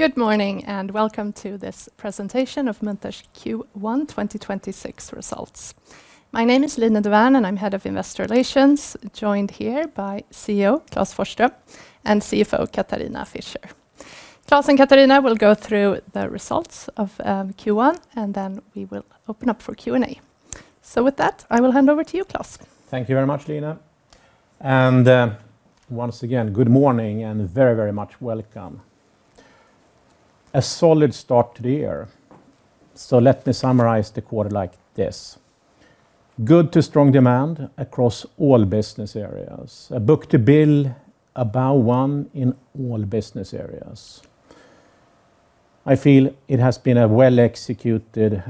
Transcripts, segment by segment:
Good morning, and welcome to this presentation of Munters' Q1 2026 results. My name is Line Dovärn, and I'm head of Investor Relations, joined here by CEO Klas Forsström and CFO Katharina Fischer. Klas and Katharina will go through the results of Q1, and then we will open up for Q&A. With that, I will hand over to you, Klas. Thank you very much, Line. Once again, good morning and very, very much welcome. A solid start to the year. Let me summarize the quarter like this. Good to strong demand across all business areas. A book-to-bill about one in all business areas. I feel it has been a well-executed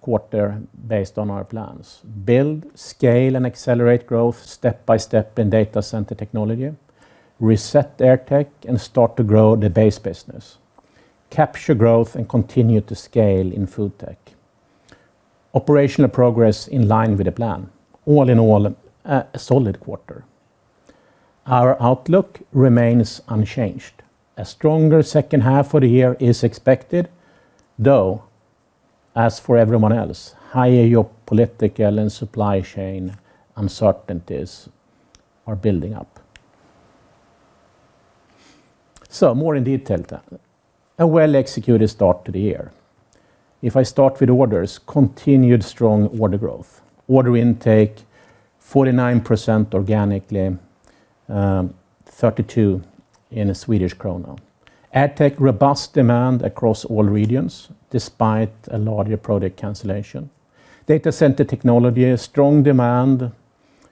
quarter based on our plans. Build, scale, and accelerate growth step by step in data center technology, reset AirTech and start to grow the base business. Capture growth and continue to scale in FoodTech. Operational progress in line with the plan. All in all, a solid quarter. Our outlook remains unchanged. A stronger second half for the year is expected, though, as for everyone else, higher geopolitical and supply chain uncertainties are building up. More in detail then. A well-executed start to the year. If I start with orders, continued strong order growth. Order intake 49% organically, 32% in Swedish krona. AirTech, robust demand across all regions despite a larger product cancellation. Data center technology, strong demand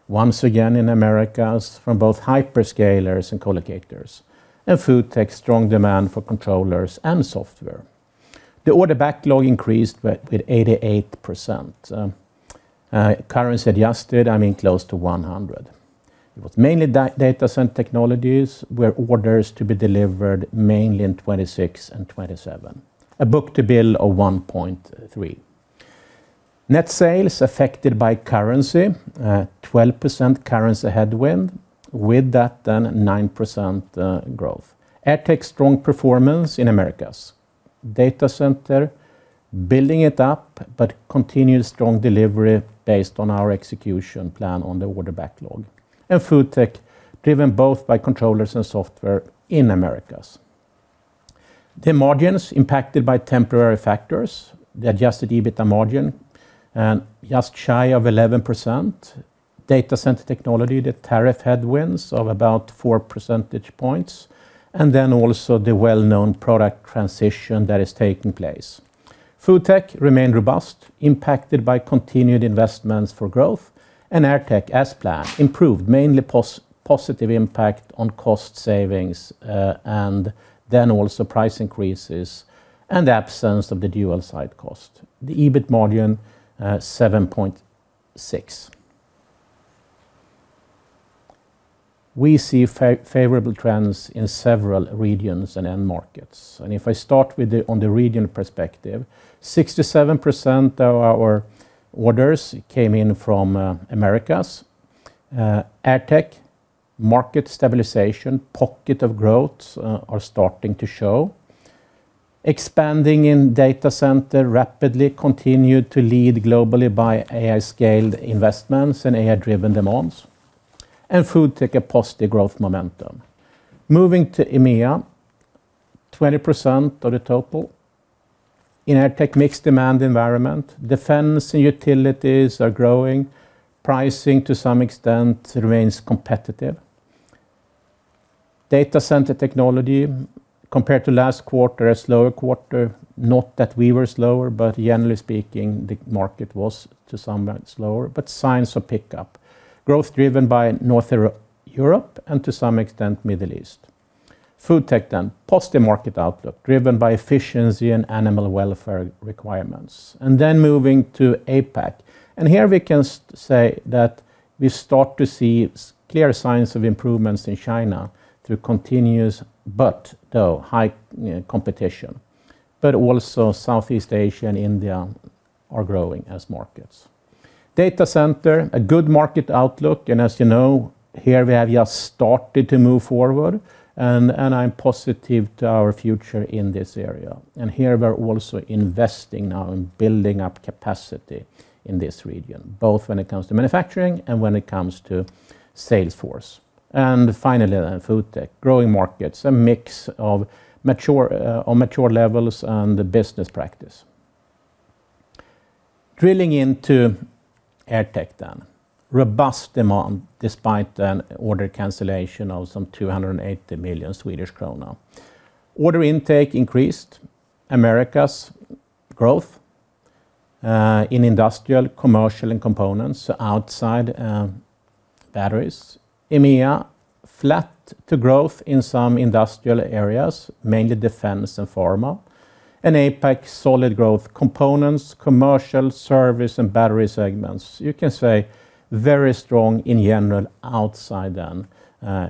once again in Americas from both hyperscalers and co-locators. FoodTech, strong demand for controllers and software. The order backlog increased with 88%. Currency adjusted, I mean, close to 100. It was mainly data center technologies, where orders to be delivered mainly in 2026 and 2027. A book-to-bill of 1.3. Net sales affected by currency, 12% currency headwind. 9% growth. AirTech, strong performance in Americas. Data center, building it up, but continued strong delivery based on our execution plan on the order backlog. FoodTech, driven both by controllers and software in Americas. The margins impacted by temporary factors, the adjusted EBITA margin just shy of 11%. Data center technology, the tariff headwinds of about four percentage points, and then also the well-known product transition that is taking place. FoodTech remained robust, impacted by continued investments for growth. AirTech, as planned, improved mainly positive impact on cost savings, and then also price increases and absence of the dual site cost. The EBIT margin 7.6. We see favorable trends in several regions and end markets. If I start with the on the region perspective, 67% of our orders came in from Americas. AirTech, market stabilization, pocket of growth are starting to show. Expanding in data center rapidly continued to lead globally by AI-scaled investments and AI-driven demands. FoodTech, a positive growth momentum. Moving to EMEA, 20% of the total. In AirTech, mixed demand environment. Defense and utilities are growing. Pricing to some extent remains competitive. Data center technology, compared to last quarter, a slower quarter, not that we were slower, but generally speaking, the market was somewhat slower, but signs of pickup. Growth driven by Northern Europe and to some extent, Middle East. FoodTech, positive market outlook, driven by efficiency and animal welfare requirements. Moving to APAC. Here we can say that we start to see clear signs of improvements in China through continuous but though high, you know, competition. Also Southeast Asia and India are growing as markets. Data center, a good market outlook. As you know, here we have just started to move forward and I'm positive to our future in this area. Here we're also investing now in building up capacity in this region, both when it comes to manufacturing and when it comes to sales force. Finally, then, FoodTech. Growing markets, a mix of mature, immature levels and the business practice. Drilling into AirTech then. Robust demand despite an order cancellation of some 280 million Swedish krona. Order intake increased in Americas, growth in industrial, commercial, and components outside batteries. EMEA, flat to growth in some industrial areas, mainly defense and pharma. APAC, solid growth components, commercial, service, and battery segments. You can say very strong in general other than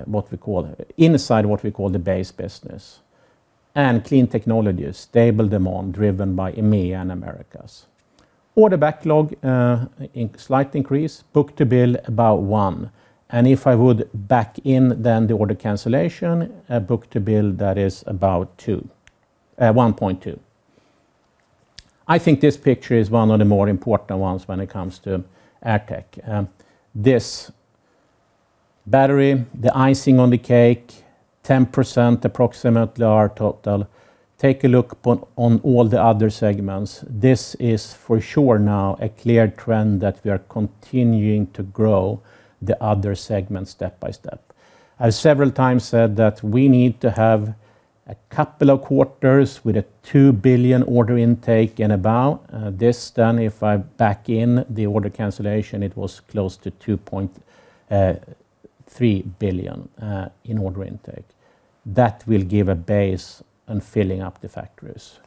what we call the base business. Clean technologies, stable demand driven by EMEA and Americas. Order backlog slight increase. Book-to-bill about 1. If I add back in the order cancellation, book-to-bill that is about 1.2. I think this picture is one of the more important ones when it comes to AirTech. This, but the icing on the cake, approximately 10% our total. Take a look beyond all the other segments. This is for sure now a clear trend that we are continuing to grow the other segments step by step. I've several times said that we need to have a couple of quarters with a 2 billion order intake and about this. Then if I add back in the order cancellation, it was close to 2.3 billion in order intake. That will give a basis for filling up the factories.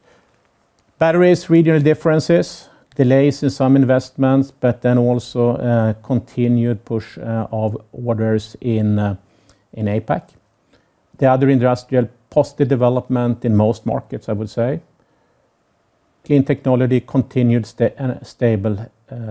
Batteries, regional differences, delays in some investments, but then also a continued push of orders in APAC. The other industrial positive development in most markets, I would say. Clean technologies continued stable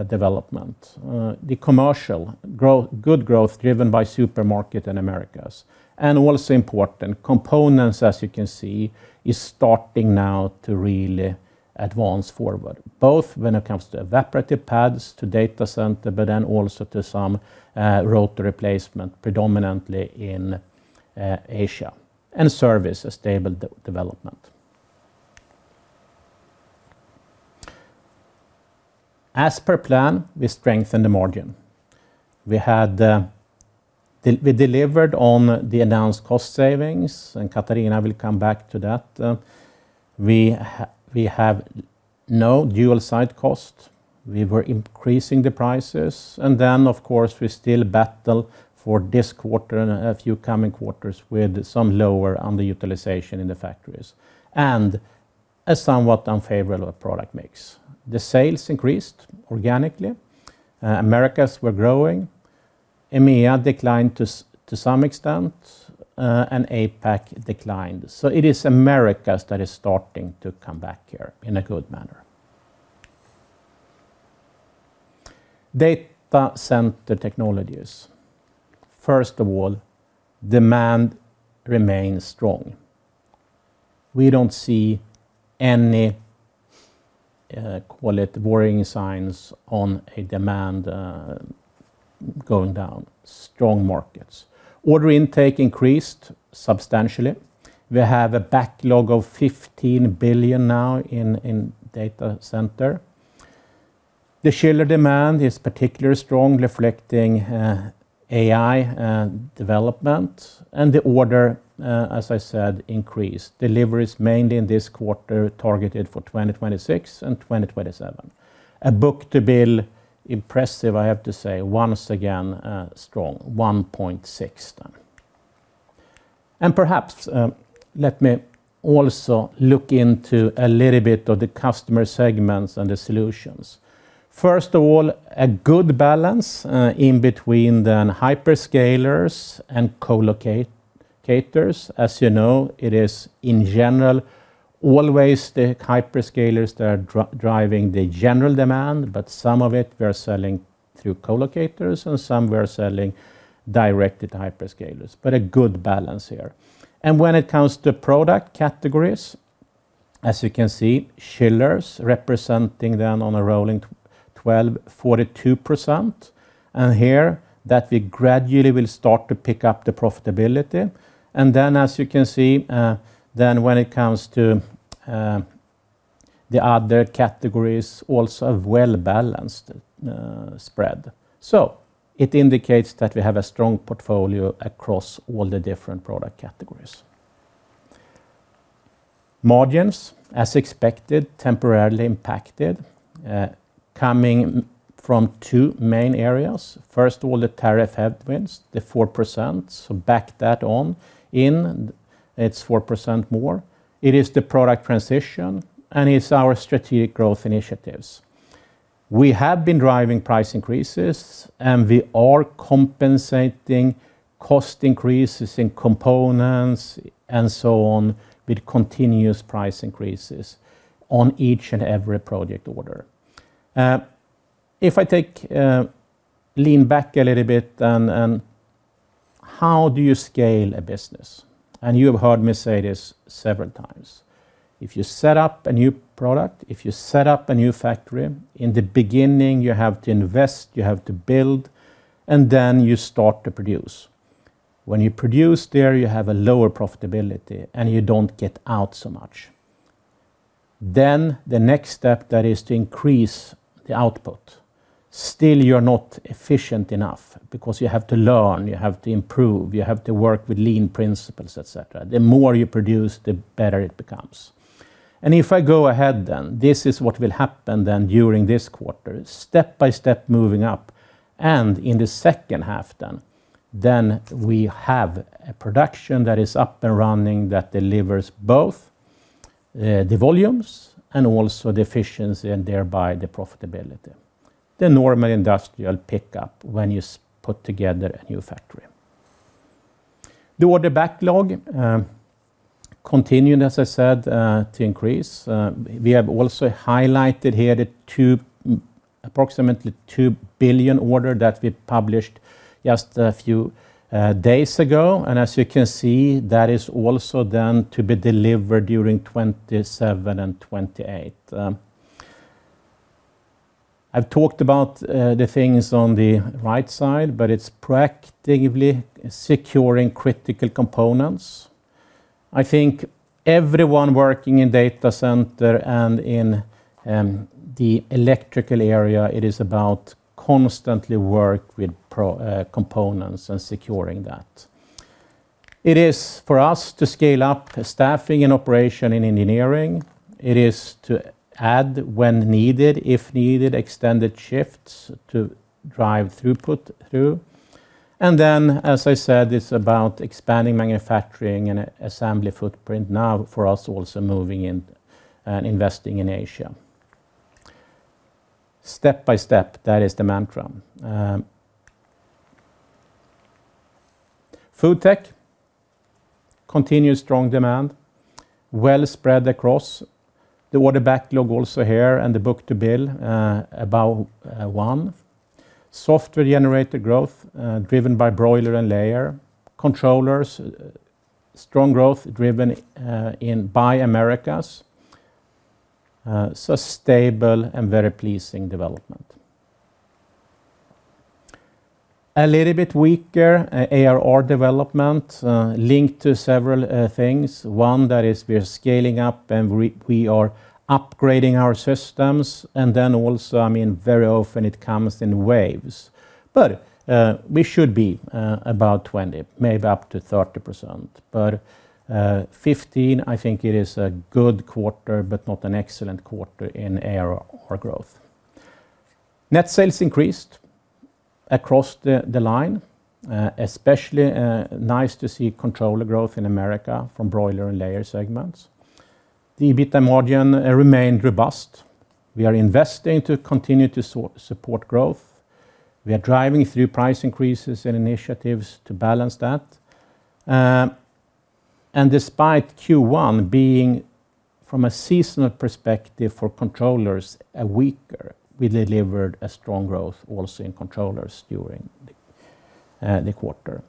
development. The commercial good growth driven by supermarket in Americas. Also important, components, as you can see, is starting now to really advance forward, both when it comes to evaporative pads, to data center, but then also to some rotor replacement, predominantly in Asia. Service, a stable development. As per plan, we strengthen the margin. We delivered on the announced cost savings, and Katharina will come back to that. We have no dual site cost. We were increasing the prices and then of course, we still battle for this quarter and a few coming quarters with some lower underutilization in the factories and a somewhat unfavorable product mix. The sales increased organically. Americas were growing, EMEA declined to some extent, and APAC declined. It is Americas that is starting to come back here in a good manner. Data center technologies. First of all, demand remains strong. We don't see any call it worrying signs on a demand going down. Strong markets. Order intake increased substantially. We have a backlog of 15 billion now in data center. The chiller demand is particularly strong, reflecting AI and development. The order, as I said, increased. Deliveries mainly in this quarter targeted for 2026 and 2027. A book-to-bill, impressive. I have to say, once again, strong, 1.6 then. Perhaps, let me also look into a little bit of the customer segments and the solutions. First of all, a good balance in between the hyperscalers and co-locators. As you know, it is in general always the hyperscalers that are driving the general demand, but some of it we're selling through co-locators and some we're selling direct to the hyperscalers. A good balance here. When it comes to product categories, as you can see, chillers representing then on a rolling twelve 42%, and here that we gradually will start to pick up the profitability. As you can see, when it comes to the other categories also well-balanced spread. It indicates that we have a strong portfolio across all the different product categories. Margins, as expected, temporarily impacted coming from two main areas. First of all, the tariff headwinds, the 4%, so backing that in, it's 4% more. It is the product transition, and it's our strategic growth initiatives. We have been driving price increases, and we are compensating cost increases in components and so on with continuous price increases on each and every project order. If I lean back a little bit and how do you scale a business? You have heard me say this several times. If you set up a new product, if you set up a new factory, in the beginning you have to invest, you have to build, and then you start to produce. When you produce there, you have a lower profitability, and you don't get out so much. The next step, that is to increase the output. Still you're not efficient enough because you have to learn, you have to improve, you have to work with lean principles, et cetera. The more you produce, the better it becomes. If I go ahead then, this is what will happen then during this quarter, step by step moving up, and in the second half then, we have a production that is up and running that delivers both, the volumes and also the efficiency and thereby the profitability. The normal industrial pickup when you put together a new factory. The order backlog continued, as I said, to increase. We have also highlighted here the approximately 2 billion order that we published just a few days ago. As you can see, that is also then to be delivered during 2027 and 2028. I've talked about the things on the right side, but it's practically securing critical components. I think everyone working in data center and in the electrical area, it is about constantly work with procuring components and securing that. It is for us to scale up staffing and operation in engineering. It is to add when needed, if needed, extended shifts to drive throughput through. As I said, it's about expanding manufacturing and assembly footprint now for us also moving in and investing in Asia. Step by step, that is the mantra. FoodTech continued strong demand, well spread across the order backlog also here and the book-to-bill about one. Software-generated growth driven by broiler and layer. Controllers strong growth driven by Americas. Stable and very pleasing development. A little bit weaker ARR development linked to several things. One, that is we're scaling up and we are upgrading our systems, and then also, I mean, very often it comes in waves. We should be about 20, maybe up to 30%. 15, I think it is a good quarter, but not an excellent quarter in ARR or growth. Net sales increased across the line, especially nice to see controller growth in Americas from broiler and layer segments. The EBITDA margin remained robust. We are investing to continue to support growth. We are driving through price increases and initiatives to balance that. Despite Q1 being, from a seasonal perspective for controllers, a weaker, we delivered a strong growth also in controllers during the quarter.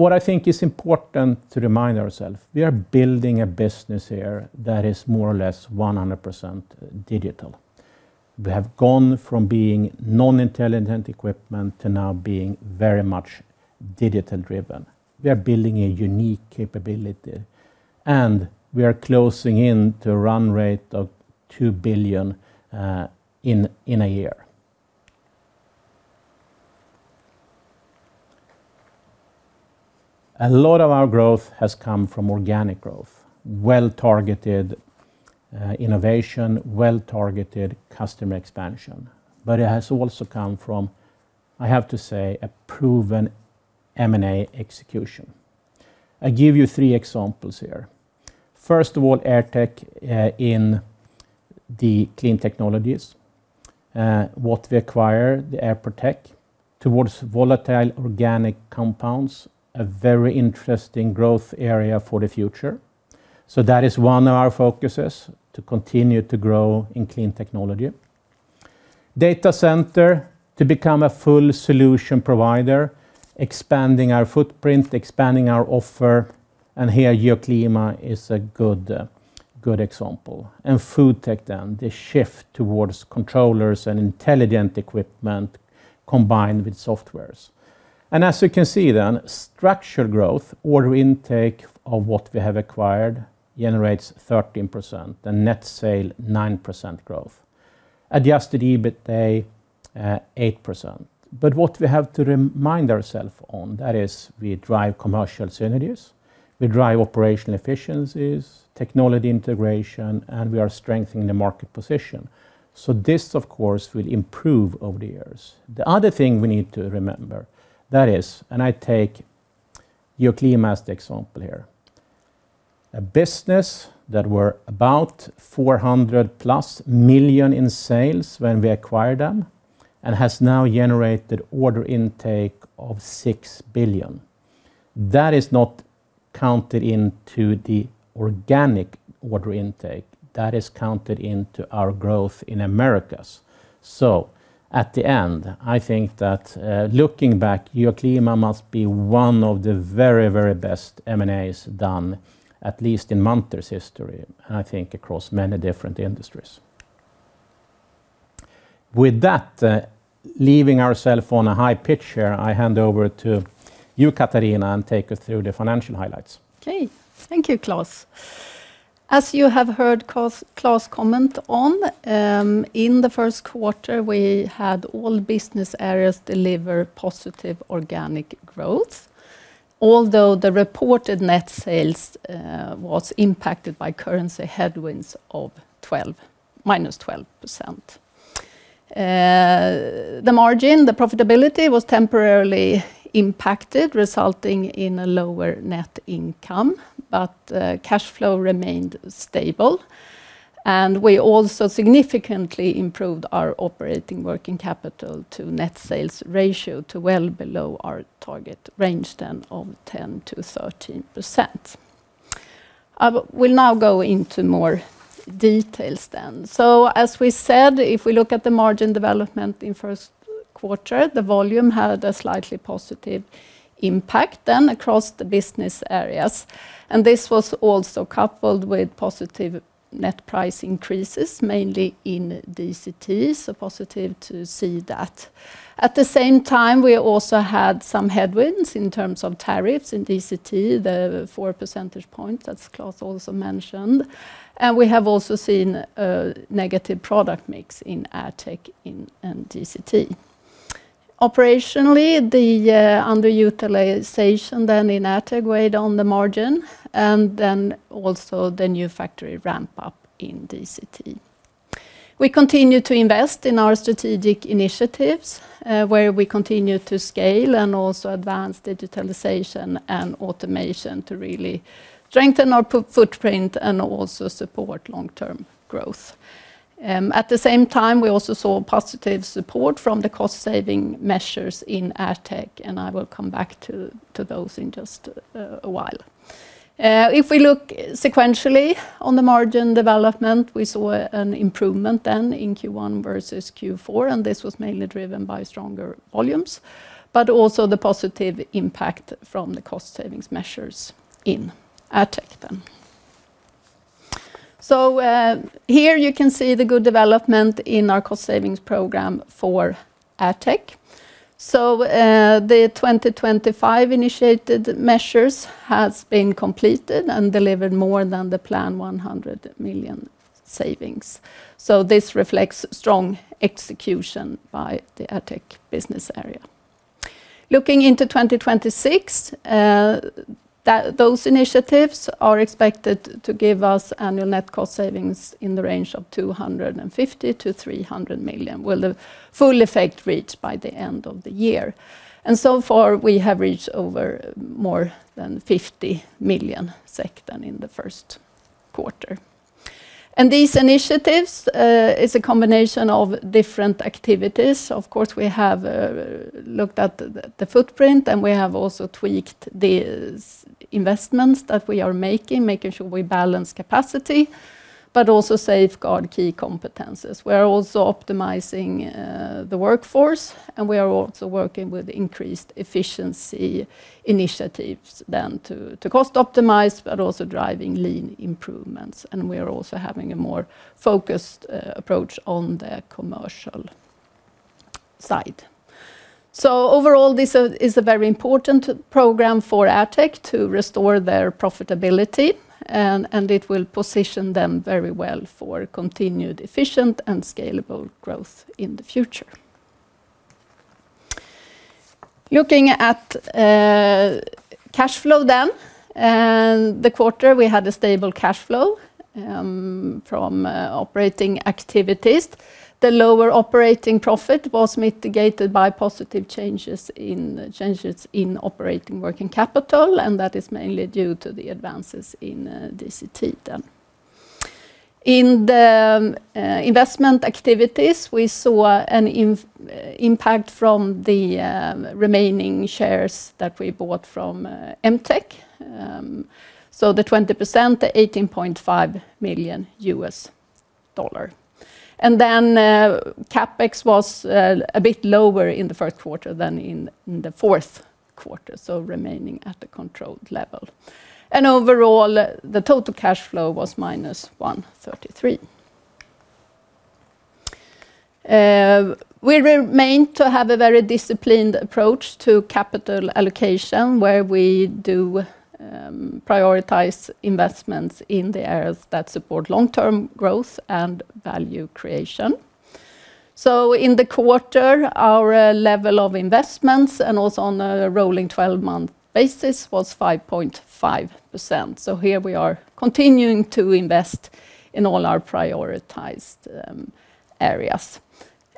I think it is important to remind ourselves, we are building a business here that is more or less 100% digital. We have gone from being non-intelligent equipment to now being very much digital-driven. We are building a unique capability, and we are closing in on a run rate of 2 billion in a year. A lot of our growth has come from organic growth, well-targeted innovation, well-targeted customer expansion. It has also come from, I have to say, a proven M&A execution. I give you three examples here. First of all, AirTech, in the clean technologies, what we acquired, the Airprotech, towards volatile organic compounds, a very interesting growth area for the future. That is one of our focuses to continue to grow in clean technology. Data center to become a full solution provider, expanding our footprint, expanding our offer, and here Geoclima is a good example. FoodTech then, the shift towards controllers and intelligent equipment combined with software. As you can see then, strong growth, order intake of what we have acquired generates 13%, the net sales, 9% growth. Adjusted EBITA, 8%. What we have to remind ourselves on, that is we drive commercial synergies, we drive operational efficiencies, technology integration, and we are strengthening the market position. This of course, will improve over the years. The other thing we need to remember, that is, and I take Geoclima as the example here, a business that were about 400+ million in sales when we acquired them and has now generated order intake of 6 billion. That is not counted into the organic order intake. That is counted into our growth in Americas. At the end, I think that, looking back, Geoclima must be one of the very, very best M&As done, at least in Munters' history, and I think across many different industries. With that, leaving ourselves on a high note here, I hand over to you, Katharina, and take us through the financial highlights. Okay. Thank you, Klas. As you have heard Klas comment on, in the first quarter, we had all business areas deliver positive organic growth, although the reported net sales was impacted by currency headwinds of -12%. The margin, profitability was temporarily impacted, resulting in a lower net income, but cash flow remained stable. We also significantly improved our operating working capital to net sales ratio to well below our target range of 10%-13%. I will now go into more details. As we said, if we look at the margin development in first quarter, the volume had a slightly positive impact across the business areas, and this was also coupled with positive net price increases, mainly in DCT, so positive to see that. At the same time, we also had some headwinds in terms of tariffs in DCT, the 4 percentage points, as Klas also mentioned, and we have also seen negative product mix in AirTech in DCT. Operationally, the underutilization then in AirTech weighed on the margin, and then also the new factory ramp up in DCT. We continue to invest in our strategic initiatives, where we continue to scale and also advance digitalization and automation to really strengthen our footprint and also support long-term growth. At the same time, we also saw positive support from the cost-saving measures in AirTech, and I will come back to those in just a while. If we look sequentially on the margin development, we saw an improvement then in Q1 versus Q4, and this was mainly driven by stronger volumes, but also the positive impact from the cost savings measures in AirTech then. Here you can see the good development in our cost savings program for AirTech. The 2025 initiated measures has been completed and delivered more than the planned 100 million savings. This reflects strong execution by the AirTech business area. Looking into 2026, those initiatives are expected to give us annual net cost savings in the range of 250 million-300 million, with the full effect reached by the end of the year. So far, we have reached more than 50 million SEK in the first quarter. These initiatives is a combination of different activities. Of course, we have looked at the footprint, and we have also tweaked these investments that we are making sure we balance capacity, but also safeguard key competencies. We're also optimizing the workforce, and we are also working with increased efficiency initiatives to cost optimize, but also driving lean improvements. We are also having a more focused approach on the commercial side. Overall, this is a very important program for AirTech to restore their profitability, and it will position them very well for continued efficient and scalable growth in the future. Looking at cash flow then, the quarter, we had a stable cash flow from operating activities. The lower operating profit was mitigated by positive changes in operating working capital, and that is mainly due to the advances in DCT. In the investment activities, we saw an impact from the remaining shares that we bought from MTech. So the 20%, the $18.5 million. CapEx was a bit lower in the first quarter than in the fourth quarter, so remaining at a controlled level. Overall, the total cash flow was -133 million. We remain to have a very disciplined approach to capital allocation, where we prioritize investments in the areas that support long-term growth and value creation. In the quarter, our level of investments, and also on a rolling twelve-month basis, was 5.5%. Here we are continuing to invest in all our prioritized areas.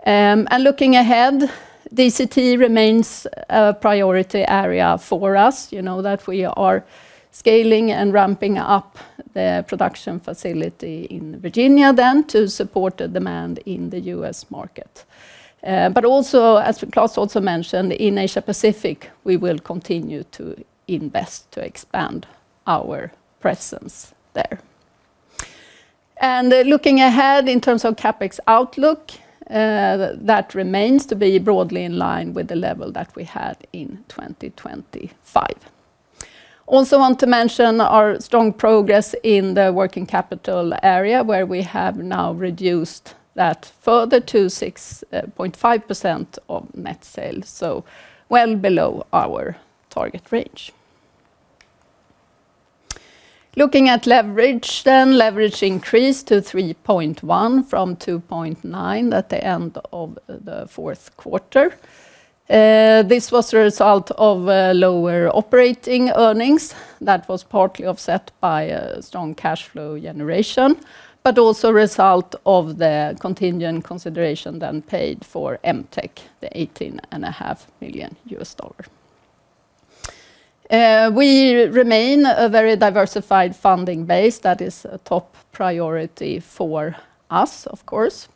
Looking ahead, DCT remains a priority area for us. You know that we are scaling and ramping up the production facility in Virginia to support the demand in the U.S. market. Also, as Klas also mentioned, in Asia Pacific, we will continue to invest to expand our presence there. Looking ahead in terms of CapEx outlook, that remains to be broadly in line with the level that we had in 2025. Also want to mention our strong progress in the working capital area, where we have now reduced that further to 6.5% of net sales, so well below our target range. Looking at leverage then, leverage increased to 3.1% from 2.9% at the end of the fourth quarter. This was a result of lower operating earnings that was partly offset by a strong cash flow generation, but also a result of the contingent consideration then paid for MTech, the $18.5 million. We remain a very diversified funding base. That is a top priority for us, of course.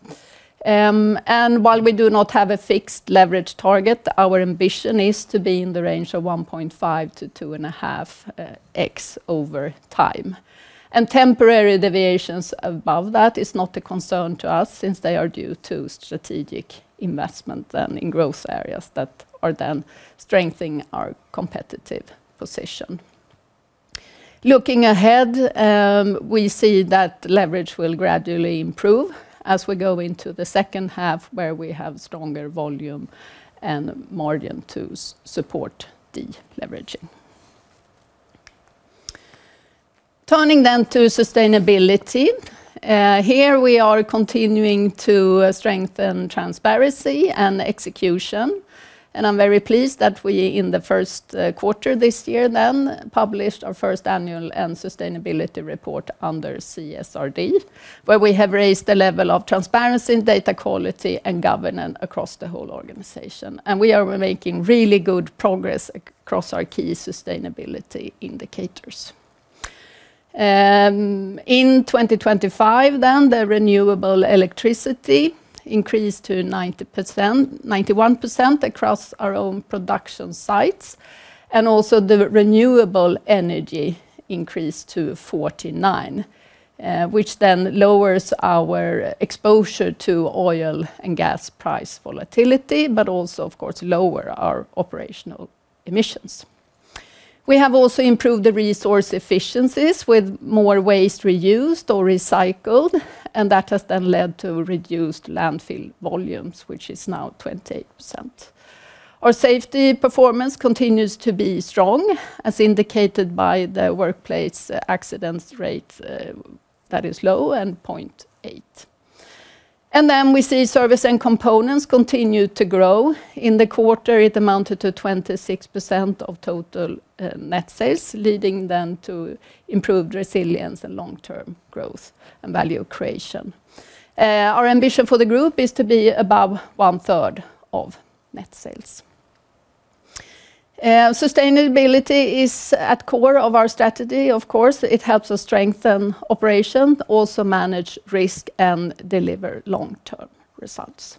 While we do not have a fixed leverage target, our ambition is to be in the range of 1.5-2.5x over time. Temporary deviations above that is not a concern to us since they are due to strategic investment in growth areas that are then strengthening our competitive position. Looking ahead, we see that leverage will gradually improve as we go into the second half, where we have stronger volume and margin to support de-leveraging. Turning to sustainability. Here we are continuing to strengthen transparency and execution, and I'm very pleased that we, in the first quarter this year, published our first annual sustainability report under CSRD, where we have raised the level of transparency and data quality and governance across the whole organization, and we are making really good progress across our key sustainability indicators. In 2025, renewable electricity increased to 91% across our own production sites, and also renewable energy increased to 49%, which then lowers our exposure to oil and gas price volatility, but also, of course, lower our operational emissions. We have also improved the resource efficiencies with more waste reused or recycled, and that has then led to reduced landfill volumes, which is now 20%. Our safety performance continues to be strong, as indicated by the workplace accident rate that is low at 0.8. We see service and components continue to grow. In the quarter, it amounted to 26% of total net sales, leading then to improved resilience and long-term growth and value creation. Our ambition for the group is to be above 1/3 of net sales. Sustainability is at the core of our strategy, of course. It helps us strengthen operations, also manage risk and deliver long-term results.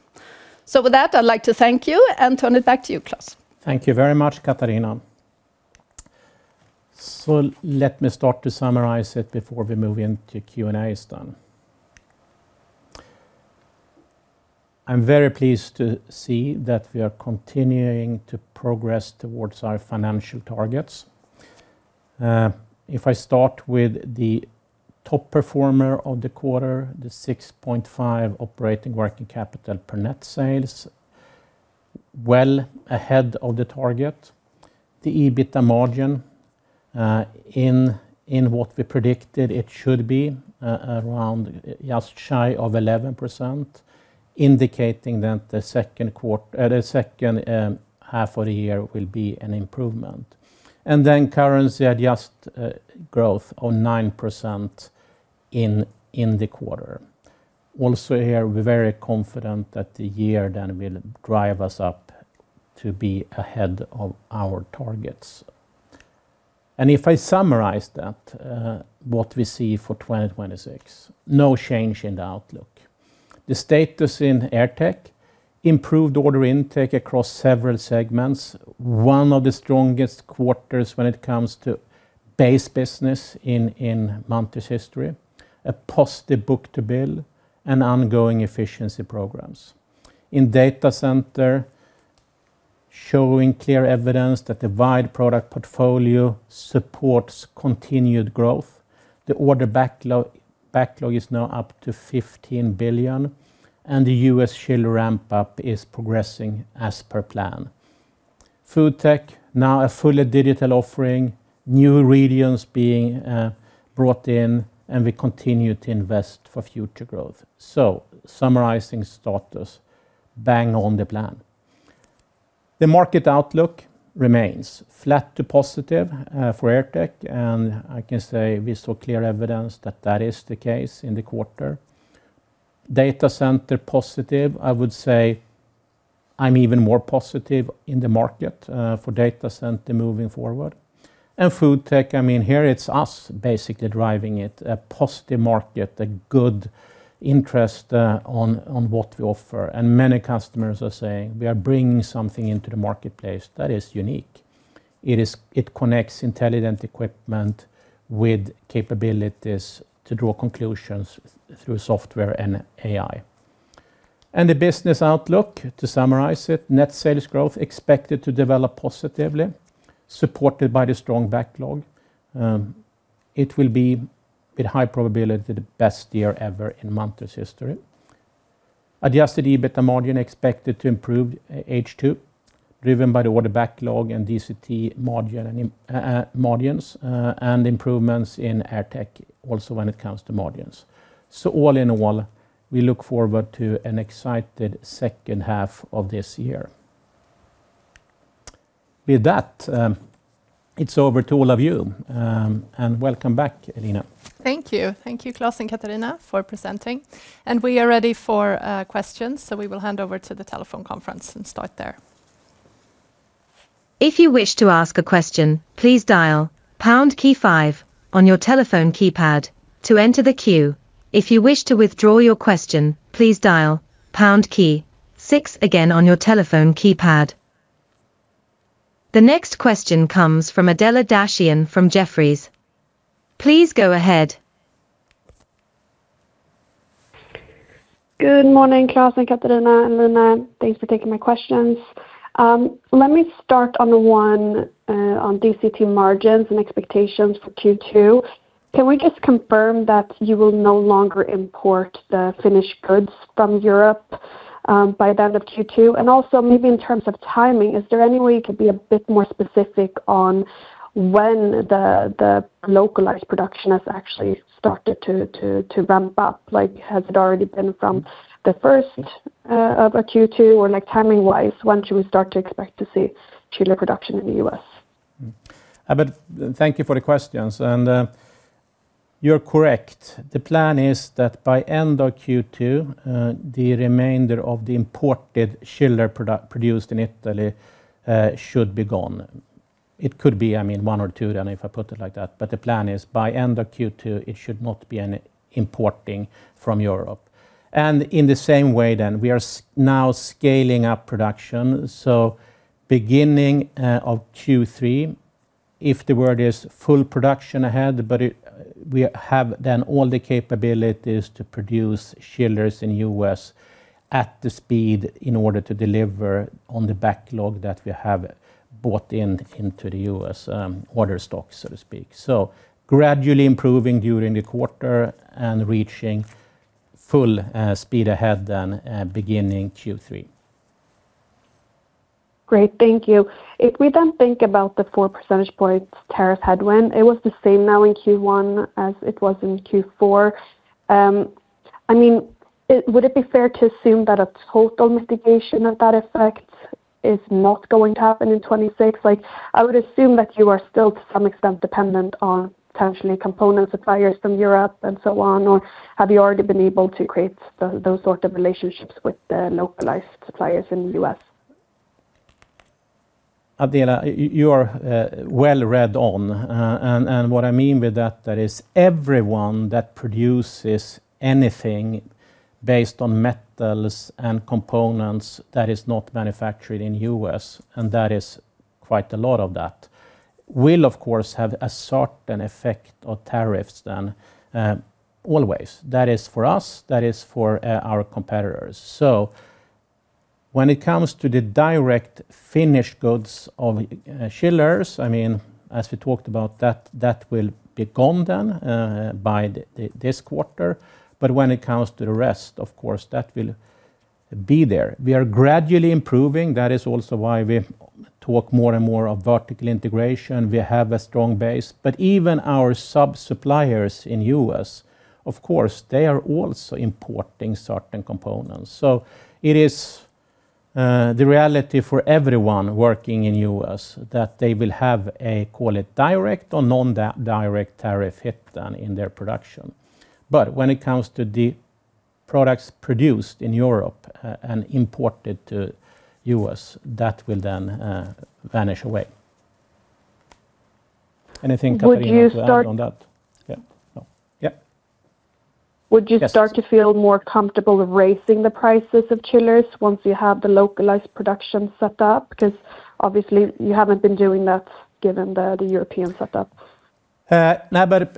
With that, I'd like to thank you and turn it back to you, Klas. Thank you very much, Katharina. Let me start to summarize it before we move into Q&A. I'm very pleased to see that we are continuing to progress towards our financial targets. If I start with the top performer of the quarter, the 6.5% operating working capital per net sales, well ahead of the target. The EBITDA margin, in what we predicted it should be, around just shy of 11%, indicating that the second half of the year will be an improvement. Currency-adjusted growth of 9% in the quarter. Also here, we're very confident that the year will drive us up to be ahead of our targets. If I summarize that, what we see for 2026, no change in the outlook. The status in AirTech, improved order intake across several segments, one of the strongest quarters when it comes to base business in Munters history, a positive book-to-bill, and ongoing efficiency programs. In data center, showing clear evidence that the wide product portfolio supports continued growth. The order backlog is now up to 15 billion, and the U.S. chiller ramp-up is progressing as per plan. FoodTech, now a fully digital offering, new regions being brought in, and we continue to invest for future growth. Summarizing starters, bang on the plan. The market outlook remains flat to positive for AirTech, and I can say we saw clear evidence that that is the case in the quarter. Data center positive, I would say I'm even more positive in the market for data center moving forward. FoodTech, I mean, here it's us basically driving it. A positive market, a good interest, on what we offer. Many customers are saying we are bringing something into the marketplace that is unique. It connects intelligent equipment with capabilities to draw conclusions through software and AI. The business outlook, to summarize it, net sales growth expected to develop positively, supported by the strong backlog. It will be, with high probability, the best year ever in Munters history. Adjusted EBITDA margin expected to improve H2, driven by the order backlog and DCT margin and margins, and improvements in AirTech also when it comes to margins. All in all, we look forward to an excited second half of this year. With that, it's over to all of you, and welcome back, Line Dovärn. Thank you. Thank you, Klas and Katharina, for presenting. We are ready for questions, so we will hand over to the telephone conference and start there. If you wish to ask a question, please dial pound key five on your telephone keypad to enter the queue. If you wish to withdraw your question, please dial pound key six again on your telephone keypad. The next question comes from Adela Dashian from Jefferies. Please go ahead. Good morning, Klas and Katharina and Line. Thanks for taking my questions. Let me start on the one on DCT margins and expectations for Q2. Can we just confirm that you will no longer import the finished goods from Europe by the end of Q2? Also maybe in terms of timing, is there any way you could be a bit more specific on when the localized production has actually started to ramp up? Like, has it already been from the first of Q2 or like timing-wise, when should we start to expect to see chiller production in the U.S.? Thank you for the questions, and you're correct. The plan is that by end of Q2, the remainder of the imported chillers produced in Italy should be gone. It could be, I mean, one or two then if I put it like that. The plan is by end of Q2, it should not be any importing from Europe. In the same way then, we are now scaling up production. Beginning of Q3, if all goes well full speed ahead, we have then all the capabilities to produce chillers in U.S. at the speed in order to deliver on the backlog that we have booked into the U.S. order book, so to speak. Gradually improving during the quarter and reaching full speed ahead then, beginning Q3. Great. Thank you. If we then think about the 4 percentage points tariff headwind, it was the same now in Q1 as it was in Q4. I mean, it would be fair to assume that a total mitigation of that effect is not going to happen in 2026? Like, I would assume that you are still to some extent dependent on potentially component suppliers from Europe and so on, or have you already been able to create those sort of relationships with the localized suppliers in the U.S.? Adela, you are well read on, and what I mean with that is everyone that produces anything based on metals and components that is not manufactured in U.S., and that is quite a lot of that, will of course have a certain effect of tariffs then, always. That is for us, that is for our competitors. When it comes to the direct finished goods of chillers, I mean, as we talked about that will be gone then by this quarter. But when it comes to the rest, of course, that will be there. We are gradually improving. That is also why we talk more and more of vertical integration. We have a strong base. But even our sub-suppliers in U.S., of course, they are also importing certain components. It is the reality for everyone working in U.S. that they will have a, call it, direct or non-direct tariff hit then in their production. When it comes to the products produced in Europe and imported to U.S., that will then vanish away. Anything, Katharina, to add on that? Would you start- Yeah. No. Yeah. Yes. Would you start to feel more comfortable raising the prices of chillers once you have the localized production set up? Because obviously you haven't been doing that given the European set up. No, but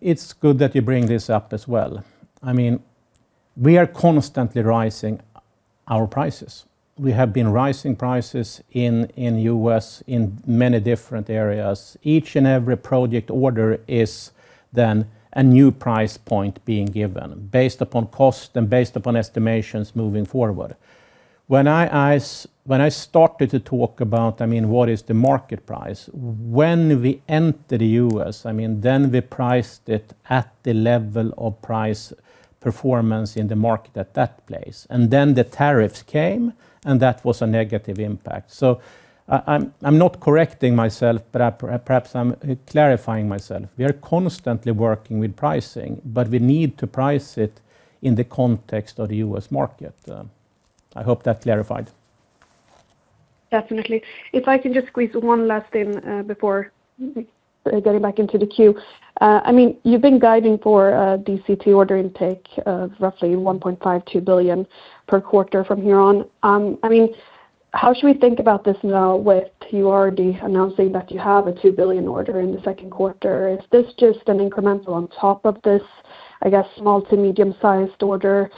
it's good that you bring this up as well. I mean, we are constantly rising our prices. We have been rising prices in U.S. in many different areas. Each and every project order is then a new price point being given based upon cost and based upon estimations moving forward. When I started to talk about, I mean, what is the market price, when we enter the U.S., I mean, then we priced it at the level of price performance in the market at that place. Then the tariffs came, and that was a negative impact. I'm not correcting myself, but perhaps I'm clarifying myself. We are constantly working with pricing, but we need to price it in the context of the U.S. market. I hope that clarified. Definitely. If I can just squeeze one last in before getting back into the queue. I mean, you've been guiding for DCT order intake of roughly 1.5 billion-2 billion per quarter from here on. I mean, how should we think about this now with you already announcing that you have a 2 billion order in the second quarter? Is this just an incremental on top of this, I guess, small to medium-sized order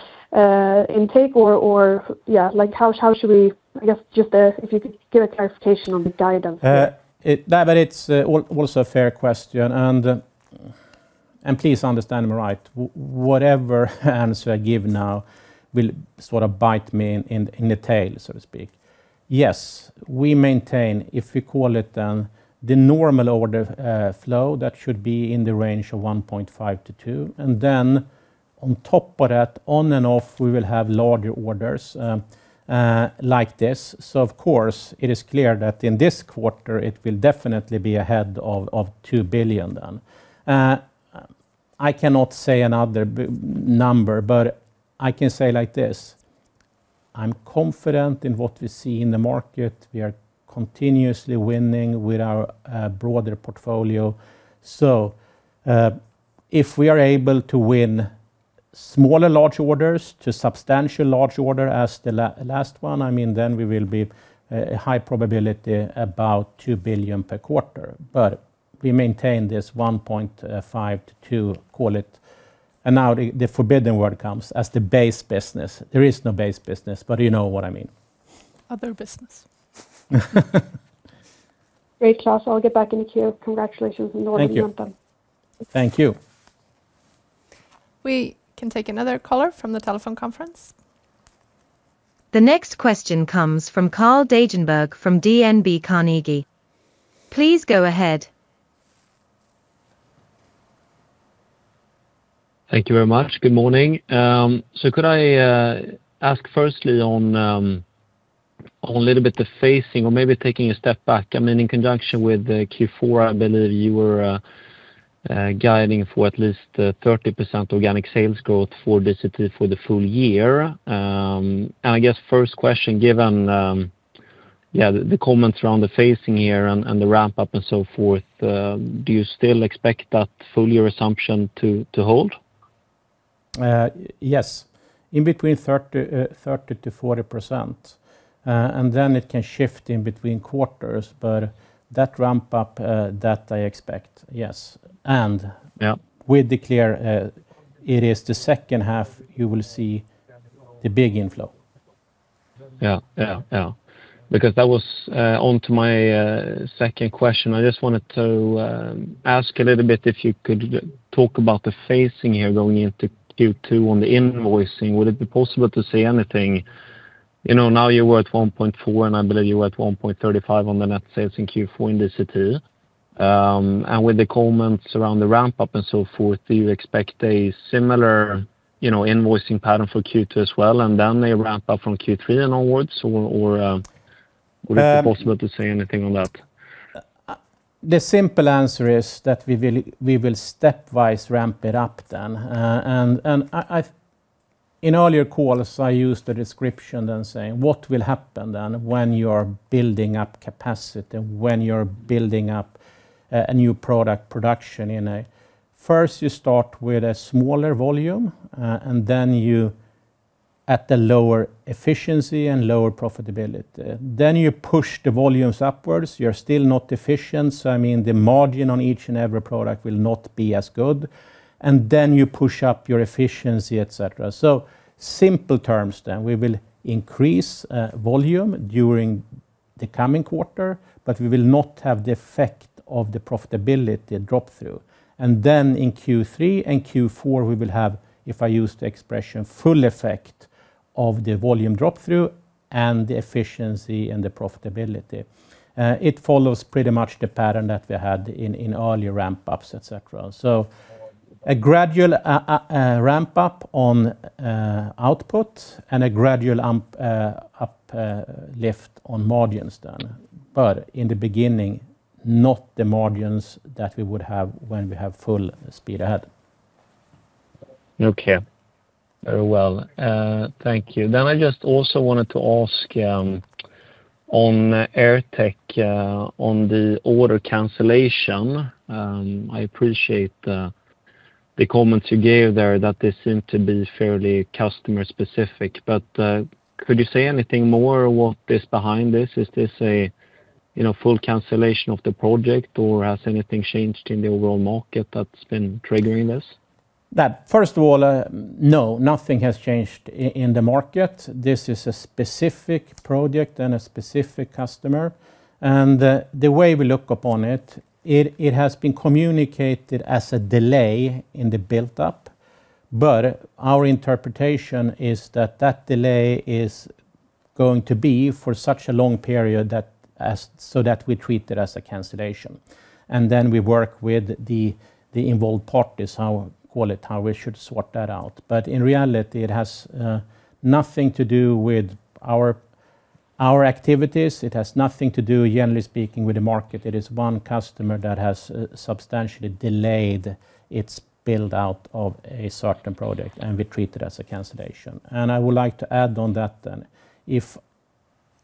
intake? Or, yeah, like how should we, I guess just, if you could give a clarification on the guidance there. It's also a fair question. Please understand me right. Whatever answer I give now will sort of bite me in the tail, so to speak. Yes, we maintain, if we call it then, the normal order flow that should be in the range of 1.5 billion-2 billion. Then on top of that, on and off, we will have larger orders like this. Of course, it is clear that in this quarter it will definitely be ahead of 2 billion. I cannot say another number, but I can say like this, I'm confident in what we see in the market. We are continuously winning with our broader portfolio. If we are able to win smaller large orders to substantial large order as the last one, I mean, then we will be at a high probability about 2 billion per quarter. We maintain this 1.5 billion-2 billion, call it. Now the forbidden word comes as the base business. There is no base business, but you know what I mean. Other business. Great, Klas. I'll get back in the queue. Congratulations on. Thank you. The northern front then. Thank you. We can take another caller from the telephone conference. The next question comes from Carl Deijenberg from DNB Carnegie. Please go ahead. Thank you very much. Good morning. Could I ask firstly on a little bit the phasing or maybe taking a step back, I mean, in conjunction with the Q4, I believe you were guiding for at least 30% organic sales growth for DCT for the full year. I guess first question given the comments around the phasing here and the ramp up and so forth, do you still expect that full year assumption to hold? Yes. In between 30%-40%. It can shift in between quarters, but that ramp up that I expect, yes. Yeah With the clear, it is the second half you will see the big inflow. Yeah. Because that was onto my second question. I just wanted to ask a little bit if you could talk about the phasing here going into Q2 on the invoicing. Would it be possible to say anything? You know, now you were at 1.4, and I believe you were at 1.35 on the net sales in Q4 in DCT. And with the comments around the ramp up and so forth, do you expect a similar invoicing pattern for Q2 as well, and then they ramp up from Q3 and onwards? Or would it be possible to say anything on that? The simple answer is that we will stepwise ramp it up then. In earlier calls, I used the description then saying, "What will happen then when you are building up capacity, when you're building up a new product production in a..." First you start with a smaller volume, and then you're at the lower efficiency and lower profitability. Then you push the volumes upwards. You're still not efficient, so I mean, the margin on each and every product will not be as good. Then you push up your efficiency, et cetera. In simple terms, then, we will increase volume during the coming quarter, but we will not have the effect of the profitability drop through. Then in Q3 and Q4, we will have, if I use the expression, full effect of the volume drop through and the efficiency and the profitability. It follows pretty much the pattern that we had in earlier ramp ups, et cetera. A gradual ramp up on output and a gradual up lift on margins then, but in the beginning, not the margins that we would have when we have full speed ahead. Okay. Very well. Thank you. I just also wanted to ask on AirTech, on the order cancellation. I appreciate the comments you gave there that they seem to be fairly customer specific. Could you say anything more about what is behind this? Is this a you know full cancellation of the project, or has anything changed in the overall market that's been triggering this? First of all, no, nothing has changed in the market. This is a specific project and a specific customer. The way we look upon it has been communicated as a delay in the build-up, but our interpretation is that delay is going to be for such a long period that we treat it as a cancellation. We work with the involved parties how we should sort that out. In reality, it has nothing to do with our activities. It has nothing to do, generally speaking, with the market. It is one customer that has substantially delayed its build-out of a certain project, and we treat it as a cancellation. I would like to add on that,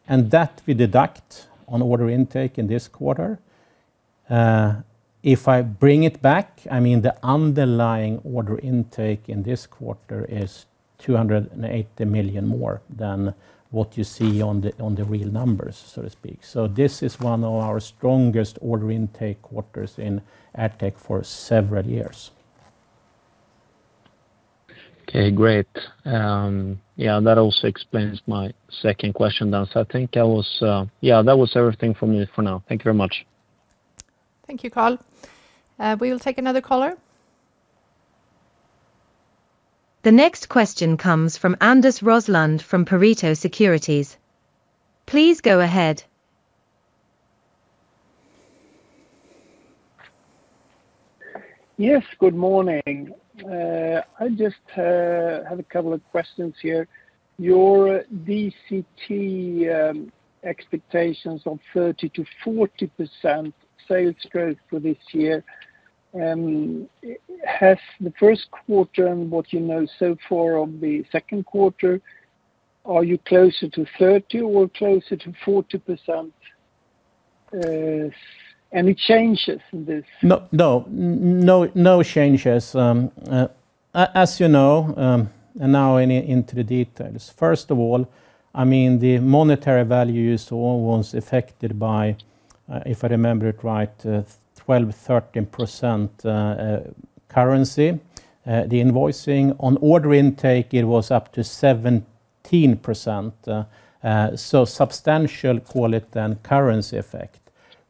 and that we deduct on order intake in this quarter. If I bring it back, I mean, the underlying order intake in this quarter is 280 million more than what you see on the real numbers, so to speak. This is one of our strongest order intake quarters in AirTech for several years. Okay, great. Yeah, that also explains my second question then. I think that was everything for me for now. Thank you very much. Thank you, Carl. We will take another caller. The next question comes from Anders Roslund from Pareto Securities. Please go ahead. Yes, good morning. I just have a couple of questions here. Your DCT expectations on 30%-40% sales growth for this year. How has the first quarter and what you know so far of the second quarter? Are you closer to 30% or closer to 40%? Any changes in this? No changes. As you know, now into the details. First of all, I mean, the monetary value is all was affected by, if I remember it right, 12%-13% currency. The invoicing on order intake, it was up to 17%, so substantial call it then currency effect.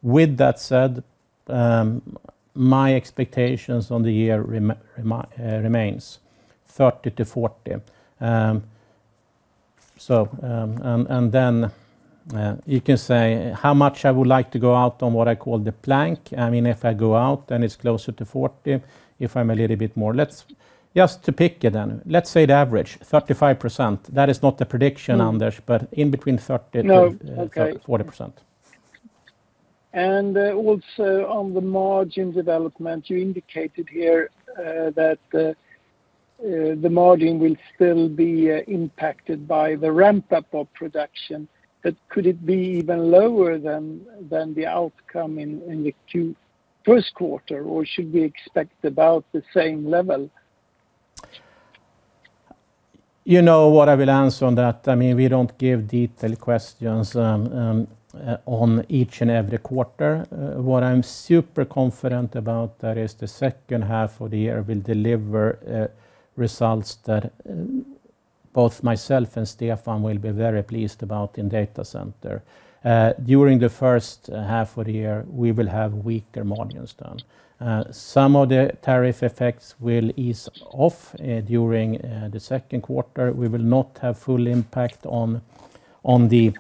With that said, my expectations on the year remains 30%-40%. Then, you can say how much I would like to go out on what I call the plank. I mean, if I go out, then it's closer to 40. If I'm a little bit more, let's just to pick it then, let's say the average 35%. That is not the prediction, Anders. In between 30 to- No. Okay. 40%. Also on the margin development, you indicated here that the margin will still be impacted by the ramp up of production, but could it be even lower than the outcome in the two first quarter, or should we expect about the same level? You know what I will answer on that. I mean, we don't give detailed guidance on each and every quarter. What I'm super confident about is that the second half of the year will deliver results that both myself and Stefan will be very pleased about in data center. During the first half of the year we will have weaker margins. Some of the tariff effects will ease off during the second quarter. We will not have full impact on the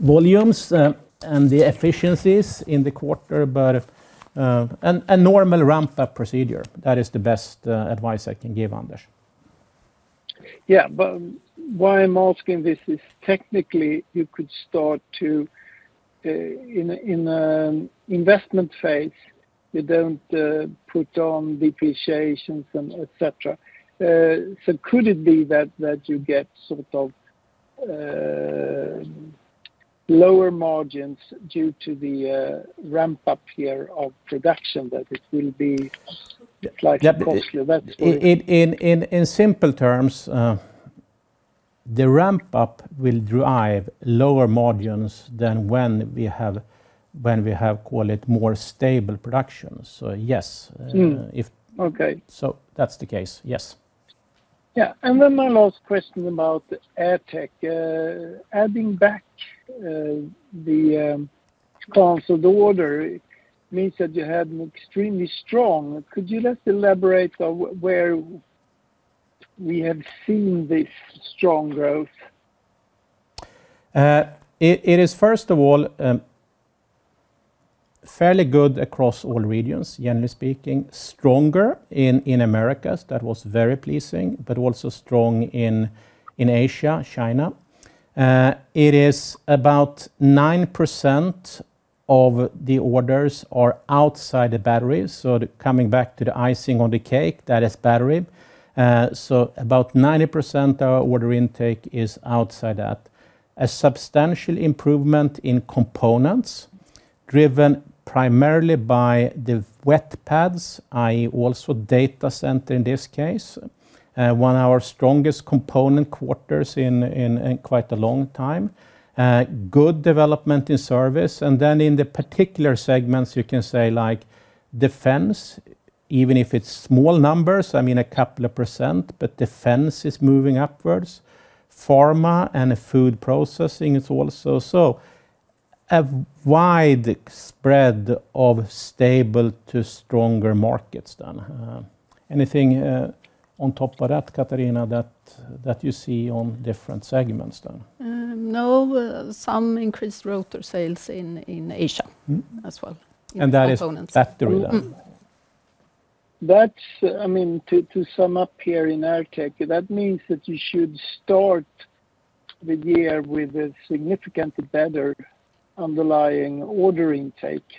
volumes and the efficiencies in the quarter, but a normal ramp up procedure. That is the best advice I can give, Anders. Yeah. Why I'm asking this is technically you could start to in an investment phase, you don't put on depreciation and et cetera. So could it be that you get sort of lower margins due to the ramp up here of production that it will be slightly costly that way? In simple terms, the ramp up will drive lower margins than when we have call it more stable production. Yes. Mm. If- Okay. That's the case. Yes. My last question about AirTech. Adding back the canceled order means that you had extremely strong. Could you just elaborate on where we have seen this strong growth? It is first of all fairly good across all regions, generally speaking, stronger in Americas. That was very pleasing, but also strong in Asia, China. It is about 9% of the orders are outside the batteries. Coming back to the icing on the cake, that is battery. So about 90% of our order intake is outside that. A substantial improvement in components driven primarily by the wet pads, i.e., also data center in this case, one of our strongest component quarters in quite a long time. Good development in service. In the particular segments you can say like defense, even if it's small numbers, I mean a couple of percent, but defense is moving upwards. Pharma and food processing is also, so a wide spread of stable to stronger markets done. Anything on top of that, Katharina, that you see on different segments done? No. Some increased rotor sales in Asia. Mm-hmm as well. That is. Components Battery then? Mm-hmm. That's, I mean, to sum up here in AirTech, that means that you should start the year with a significantly better underlying order intake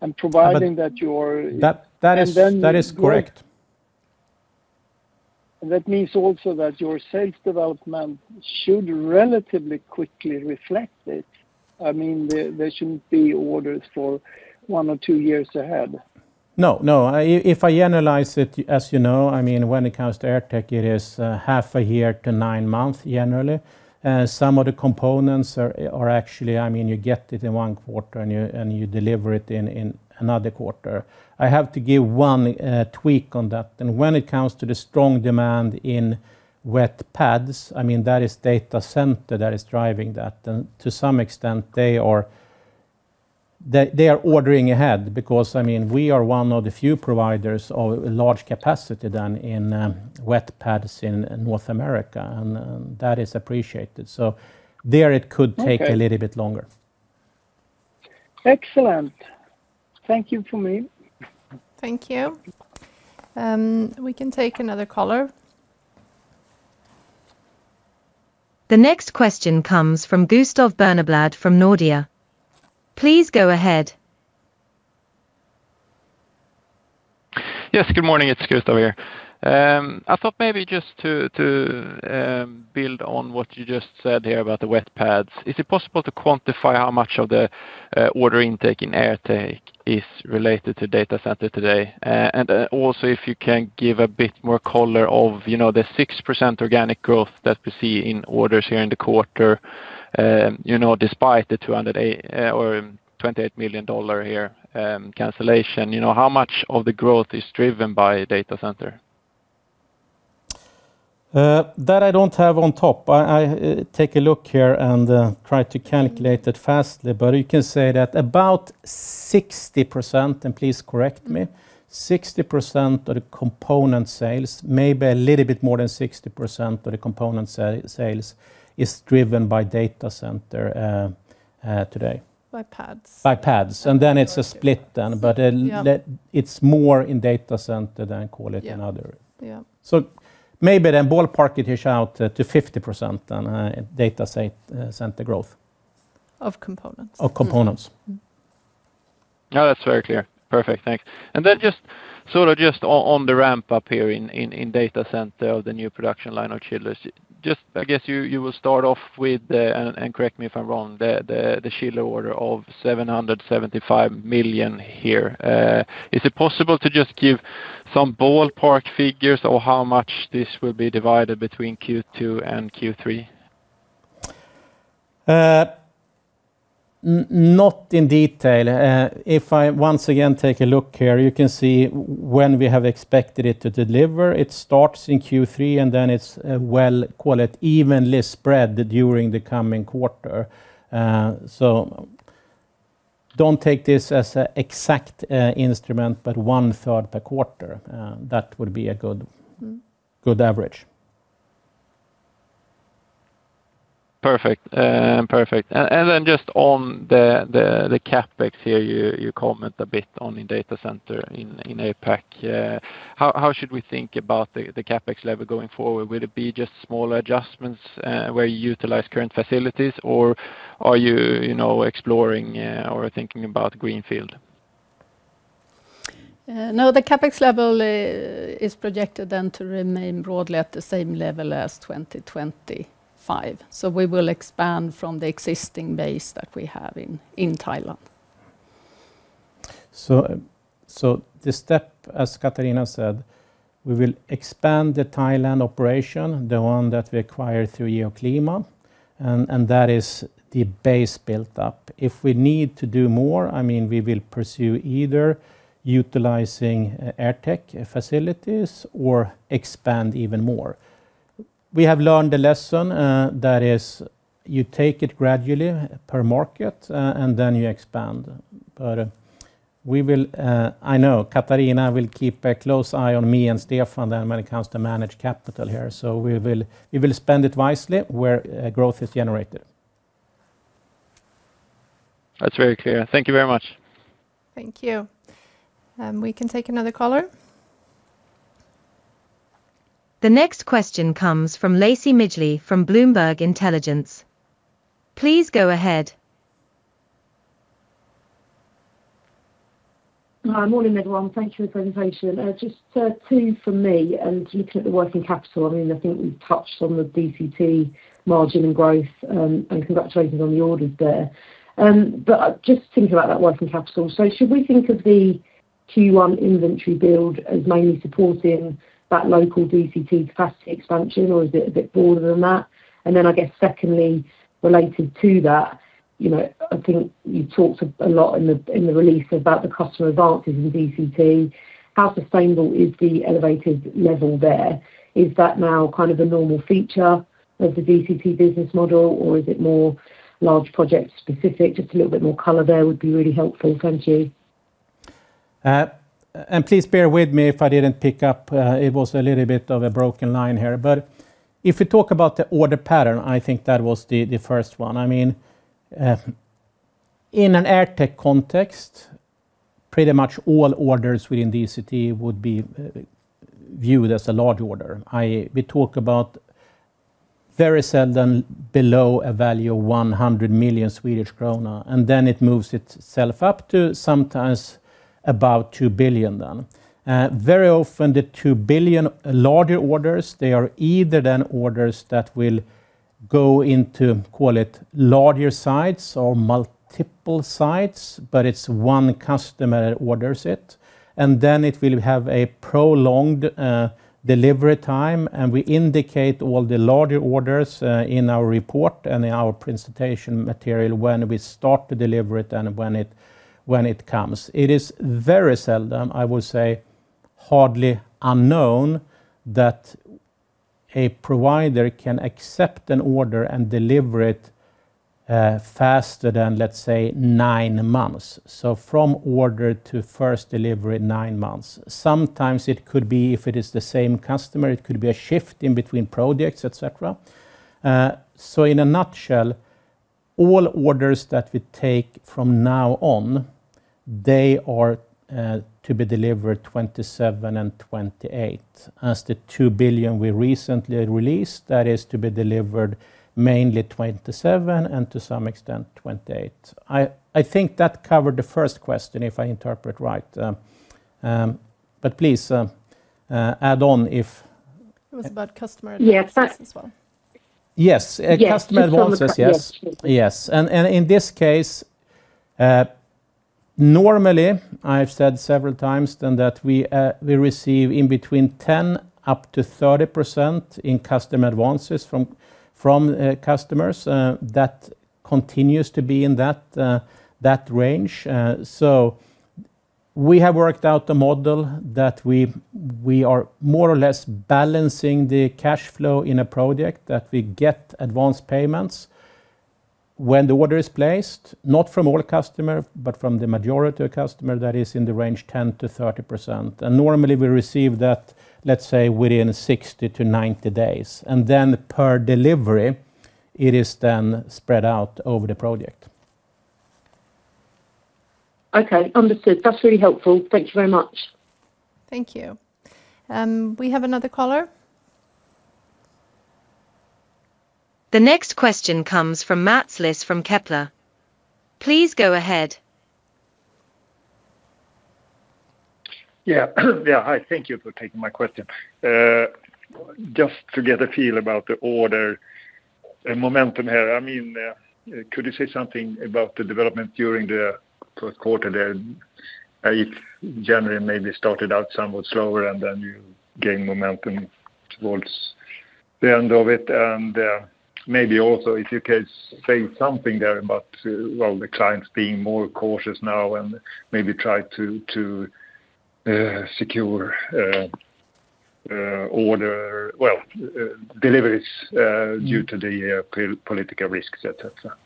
and providing that your- That is. And then you- That is correct. That means also that your sales development should relatively quickly reflect it. I mean, there shouldn't be orders for one or two years ahead. No, no. If I analyze it, as you know, I mean, when it comes to AirTech, it is half a year to nine months generally. Some of the components are actually, I mean, you get it in one quarter and you deliver it in another quarter. I have to give one tweak on that. When it comes to the strong demand in wet pads, I mean that is data center that is driving that. To some extent they are ordering ahead because I mean, we are one of the few providers of large capacity done in wet pads in North America, and that is appreciated. There it could take- Okay A little bit longer. Excellent. Thank you, for me. Thank you. We can take another caller. The next question comes from Gustav Berneblad from Nordea. Please go ahead. Yes, good morning. It's Gustav here. I thought maybe just to build on what you just said here about the wet pads. Is it possible to quantify how much of the order intake in AirTech is related to data center today? Also, if you can give a bit more color on, you know, the 6% organic growth that we see in orders here in the quarter, you know, despite the $28 million cancellation here. You know, how much of the growth is driven by data center? That I don't have on top. I take a look here and try to calculate it fastly. You can say that about 60%, and please correct me, 60% of the component sales, maybe a little bit more than 60% of the component sales is driven by data center today. Wet pads. Wet pads. It's a split, then. Yeah. It's more in data center than call it. Yeah in other. Yeah. Maybe then ballpark it's out to 50%, data center growth. Of components. Of components. No, that's very clear. Perfect, thanks. Just sort of on the ramp up here in data center of the new production line of chillers. Just, I guess you will start off with the chiller order of SEK 775 million here, and correct me if I'm wrong. Is it possible to just give some ballpark figures or how much this will be divided between Q2 and Q3? Not in detail. If I once again take a look here, you can see when we have expected it to deliver. It starts in Q3, and then it's well, call it evenly spread during the coming quarter. Don't take this as a exact instrument, but one-third per quarter, that would be a good- Good average. Perfect. Just on the CapEx here, you comment a bit on the data center in APAC. How should we think about the CapEx level going forward? Will it be just small adjustments, where you utilize current facilities, or are you you know exploring or thinking about greenfield? No, the CapEx level is projected then to remain broadly at the same level as 2025. We will expand from the existing base that we have in Thailand. The step, as Katharina said, we will expand the Thailand operation, the one that we acquired through Geoclima, and that is the base built up. If we need to do more, I mean, we will pursue either utilizing AirTech facilities or expand even more. We have learned a lesson, that is you take it gradually per market, and then you expand. We will. I know Katharina will keep a close eye on me and Stefan then when it comes to manage capital here. We will spend it wisely where growth is generated. That's very clear. Thank you very much. Thank you. We can take another caller. The next question comes from Lacie Midgley from Bloomberg Intelligence. Please go ahead. Hi. Morning, everyone. Thank you for the presentation. Just two from me. Looking at the working capital, I mean, I think we've touched on the DCT margin and growth, and congratulations on the orders there. Just thinking about that working capital. Should we think of the Q1 inventory build as mainly supporting that local DCT capacity expansion, or is it a bit broader than that? I guess secondly, related to that, you know, I think you talked a lot in the release about the customer advances in DCT. How sustainable is the elevated level there? Is that now kind of a normal feature of the DCT business model, or is it more large project specific? Just a little bit more color there would be really helpful. Thank you. Please bear with me if I didn't pick up. It was a little bit of a broken line here. If you talk about the order pattern, I think that was the first one. I mean, in an AirTech context, pretty much all orders within DCT would be viewed as a large order. We talk about very seldom below a value of 100 million Swedish krona, and then it moves itself up to sometimes about 2 billion then. Very often the 2 billion larger orders, they are either then orders that will go into, call it, larger sites or multiple sites, but it's one customer orders it, and then it will have a prolonged delivery time. We indicate all the larger orders in our report and in our presentation material when we start to deliver it and when it comes. It is very seldom, I would say hardly unknown, that a provider can accept an order and deliver it faster than, let's say, nine months. From order to first delivery, nine months. Sometimes it could be if it is the same customer, it could be a shift in between projects, et cetera. In a nutshell, all orders that we take from now on, they are to be delivered 2027 and 2028. As the 2 billion we recently released, that is to be delivered mainly 2027 and to some extent 2028. I think that covered the first question, if I interpret right. Please, add on if It was about customer- Yes, that's. Advances as well. In this case, normally I've said several times that we receive between 10%-30% in customer advances from customers that continues to be in that range. So we have worked out the model that we are more or less balancing the cash flow in a project that we get advance payments when the order is placed, not from all customer, but from the majority of customer that is in the range 10%-30%. Normally we receive that, let's say, within 60-90 days. Then per delivery, it is then spread out over the project. Okay. Understood. That's really helpful. Thank you very much. Thank you. We have another caller. The next question comes from Mats Liss from Kepler. Please go ahead. Hi. Thank you for taking my question. Just to get a feel about the order momentum here, I mean, could you say something about the development during the first quarter there? If January maybe started out somewhat slower, and then you gain momentum towards the end of it. Maybe also if you could say something there about, well, the clients being more cautious now and maybe try to secure order deliveries due to the political risks, et cetera.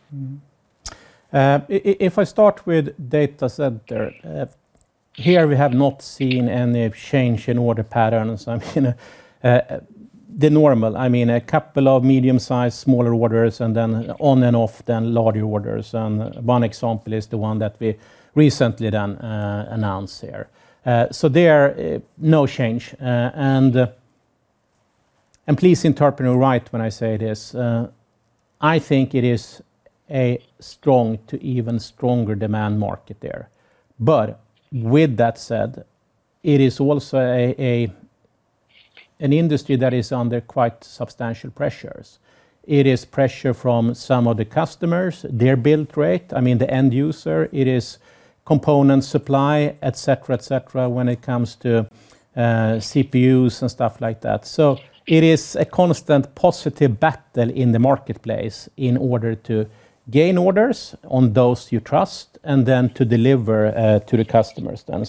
If I start with data center, here we have not seen any change in order patterns. I mean, the normal, I mean, a couple of medium size, smaller orders, and then on and off then larger orders. One example is the one that we recently announced here. So there, no change. Please interpret me right when I say this. I think it is a strong to even stronger demand market there. With that said, it is also an industry that is under quite substantial pressures. It is pressure from some of the customers, their build rate, I mean the end user, it is component supply, et cetera, et cetera, when it comes to CPUs and stuff like that. It is a constant positive battle in the marketplace in order to gain orders on those you trust and then to deliver to the customers then.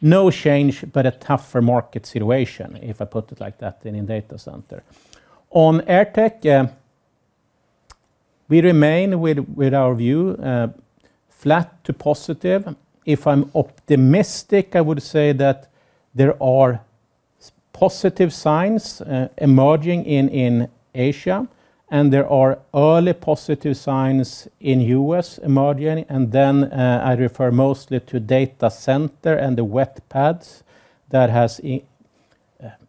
No change, but a tougher market situation, if I put it like that in a data center. On AirTech, we remain with our view flat to positive. If I'm optimistic, I would say that there are positive signs emerging in Asia, and there are early positive signs in U.S. emerging. I refer mostly to data center and the wet pads that has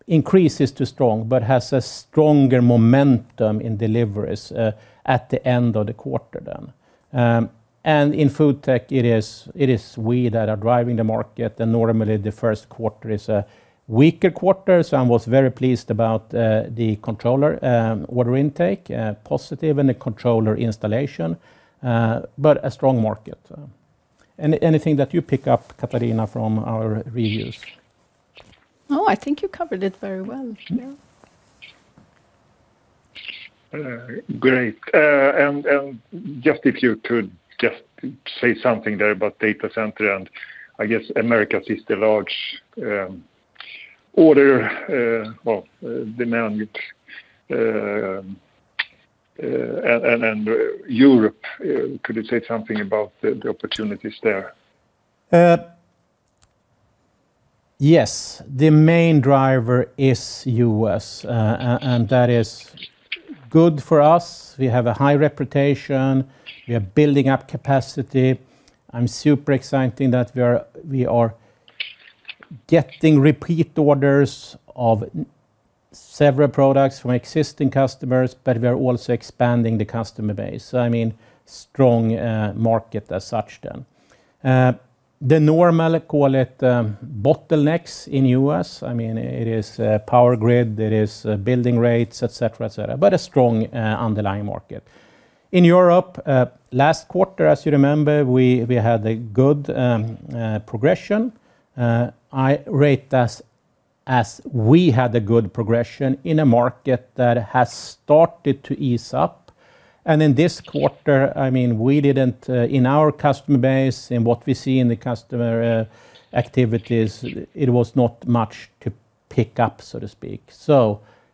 increases to strong but has a stronger momentum in deliveries at the end of the quarter then. In FoodTech it is we that are driving the market and normally the first quarter is a weaker quarter, so I was very pleased about the controller order intake positive, and the controller installation but a strong market. Anything that you pick up Katharina from our reviews? No, I think you covered it very well. Mm-hmm. Yeah. Great. Just if you could just say something there about data center and I guess America is the largest demand with Europe. Could you say something about the opportunities there? Yes. The main driver is U.S. That is good for us. We have a high reputation. We are building up capacity. I'm super excited that we are getting repeat orders of several products from existing customers, but we're also expanding the customer base. I mean, strong market as such then. The normal, call it, bottlenecks in U.S., I mean, it is power grid, it is building rates, et cetera, et cetera, but a strong underlying market. In Europe, last quarter, as you remember, we had a good progression. I rate us as we had a good progression in a market that has started to ease up. In this quarter, in our customer base and what we see in the customer activities, it was not much to pick up, so to speak.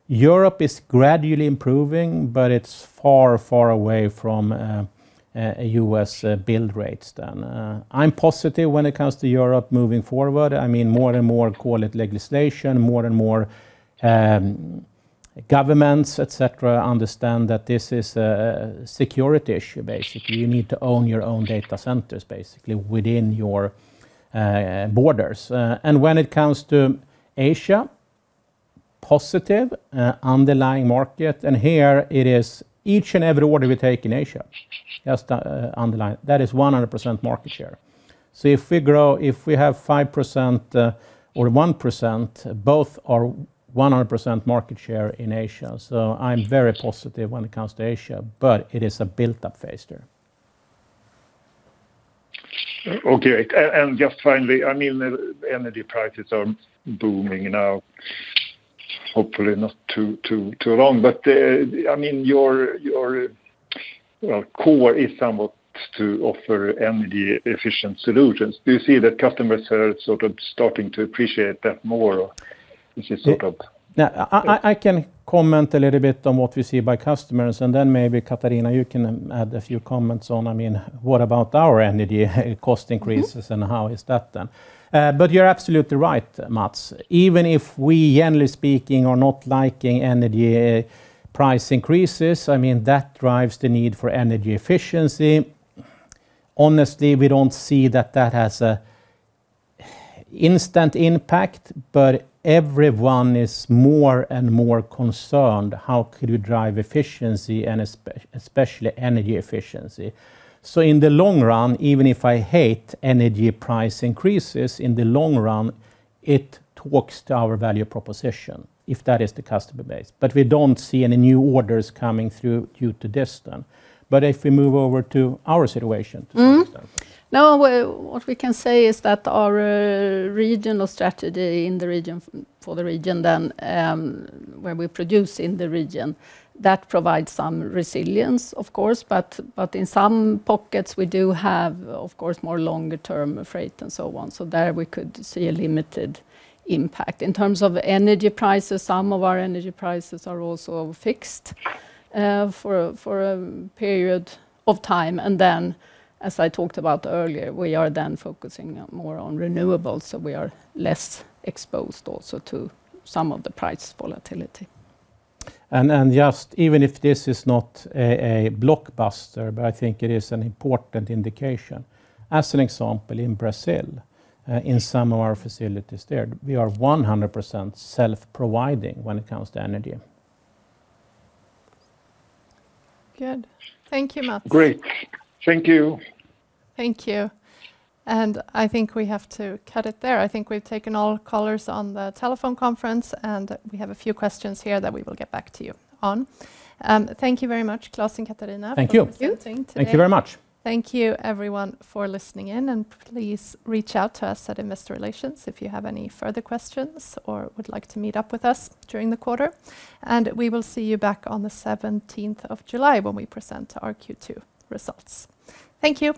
Europe is gradually improving, but it's far, far away from a U.S. build rates there. I'm positive when it comes to Europe moving forward. More and more so-called legislation, more and more governments, et cetera, understand that this is a security issue, basically. You need to own your own data centers, basically, within your borders. When it comes to Asia, positive underlying market, and here it is each and every order we take in Asia, just underlying, that is 100% market share. If we grow, if we have 5% or 1%, both are 100% market share in Asia. I'm very positive when it comes to Asia, but it is a build-up phase there. Okay. Just finally, I mean, the energy prices are booming now, hopefully not too long, but I mean, your well core is somewhat to offer energy efficient solutions. Do you see that customers are sort of starting to appreciate that more, or is it sort of- Yeah. I can comment a little bit on what we see from customers, and then maybe Katharina, you can add a few comments on, I mean, what about our energy cost increases. How is that then? You're absolutely right, Mats. Even if we, generally speaking, are not liking energy price increases, I mean, that drives the need for energy efficiency. Honestly, we don't see that has an instant impact, but everyone is more and more concerned how could you drive efficiency and especially energy efficiency. In the long run, even if I hate energy price increases, in the long run, it talks to our value proposition, if that is the customer base. We don't see any new orders coming through due to this then. If we move over to our situation. Now, what we can say is that our regional strategy in the region, for the region then, where we produce in the region, that provides some resilience, of course, but in some pockets, we do have, of course, more longer term freight and so on. There we could see a limited impact. In terms of energy prices, some of our energy prices are also fixed, for a period of time, and then, as I talked about earlier, we are then focusing more on renewables, so we are less exposed also to some of the price volatility. Just even if this is not a blockbuster, but I think it is an important indication. As an example, in Brazil, in some of our facilities there, we are 100% self-providing when it comes to energy. Good. Thank you, Mats. Great. Thank you. Thank you. I think we have to cut it there. I think we've taken all callers on the telephone conference, and we have a few questions here that we will get back to you on. Thank you very much, Klas and Katharina. Thank you. For presenting today. Thank you very much. Thank you everyone for listening in, and please reach out to us at Investor Relations if you have any further questions or would like to meet up with us during the quarter. We will see you back on the July 17 when we present our Q2 results. Thank you.